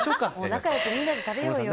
仲良くみんなで食べようよ。